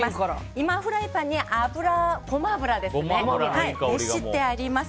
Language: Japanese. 今フライパンにゴマ油を熱してあります。